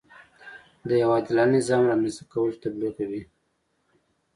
د یوه عادلانه نظام رامنځته کول تبلیغول.